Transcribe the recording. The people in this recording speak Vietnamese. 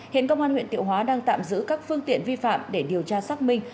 hiện công an huyện thiệu hóa đang tạm giữ các phương tiện vi phạm để điều tra xác minh